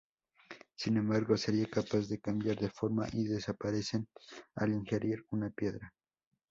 Sin embargo, sería capaz de cambiar de forma y desaparecen al ingerir una piedra.